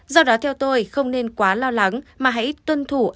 do đó theo tôi không nên quá lo lắng mà hãy tuân thủ áp dụng